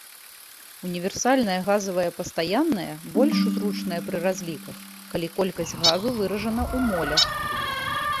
Універсальная газавая пастаянная больш зручная пры разліках, калі колькасць газу выражана у молях.